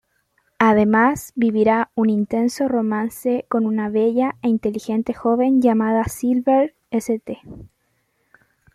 Además vivirá un intenso romance con una bella e inteligente joven llamada Silver St.